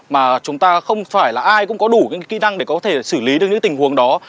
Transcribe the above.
mà chúng ta không phải là ai cũng có đủ kỹ năng để có thể xử lý được những tình huống đó